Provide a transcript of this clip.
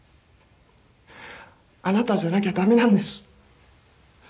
あなたじゃなきゃ駄目なんです。